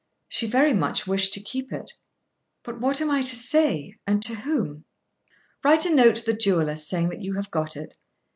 She very much wished to keep it. "But what am I to say, and to whom?" "Write a note to the jewellers saying that you have got it."